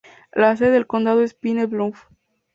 La sede del condado es Pine Bluff.